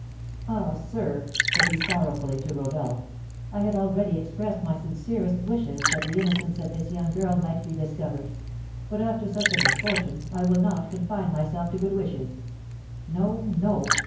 "Ah, sir," said he sorrowfully to Rodolph, "I had already expressed my sincerest wishes that the innocence of this young girl might be discovered; but after such a misfortune I will not confine myself to good wishes, no, no!